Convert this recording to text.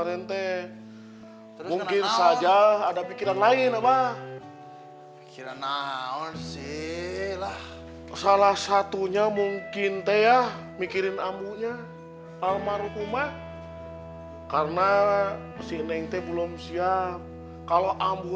neng teh tidak pernah merasakan kasih sayang seorang ambu atau ibu